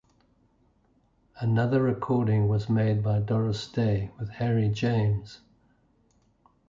Another recording was made by Doris Day with Harry James.